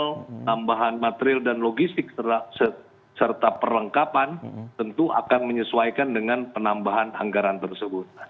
kalau tambahan material dan logistik serta perlengkapan tentu akan menyesuaikan dengan penambahan anggaran tersebut